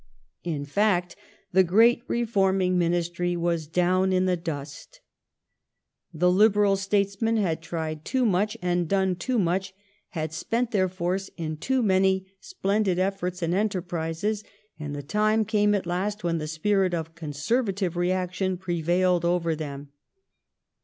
In fact, the great reforming ministry was down in the dust. The Liberal statesmen had tried too much, had done too much, had spent their force in too many splendid efforts and enterprises, and the time came at last when the spirit of Conservative reaction prevailed over them.